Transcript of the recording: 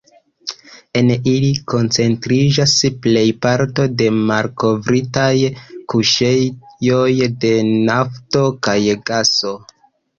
En ili koncentriĝas plejparto de malkovritaj kuŝejoj de nafto kaj gaso.